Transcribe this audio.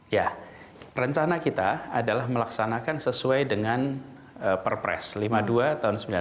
ya rencana kita adalah melaksanakan sesuai dengan perpres lima puluh dua tahun seribu sembilan ratus sembilan puluh sembilan